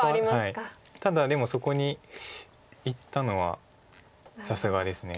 ただでもそこにいったのはさすがです。